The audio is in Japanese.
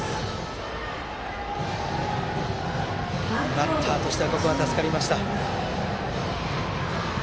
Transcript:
バッターとしてはここは助かりました。